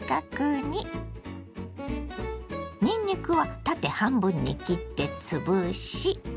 にんにくは縦半分に切って潰し。